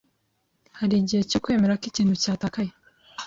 Hari igihe cyo ‘kwemera ko ikintu cyatakaye.